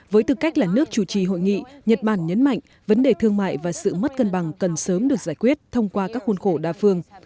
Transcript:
với tư cách là nước chủ trì hội nghị nhật bản nhấn mạnh vấn đề thương mại và sự mất cân bằng cần sớm được giải quyết thông qua các khuôn khổ đa phương